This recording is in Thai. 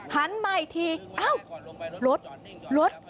หันใหม่ทีอ้าวรถรถ